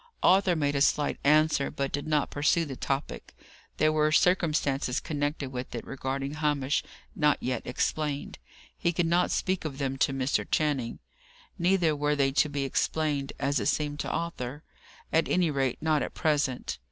Arthur made a slight answer, but did not pursue the topic. There were circumstances connected with it, regarding Hamish, not yet explained. He could not speak of them to Mr. Channing. Neither were they to be explained, as it seemed to Arthur. At any rate, not at present.